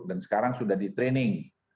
dan sekarang sudah di training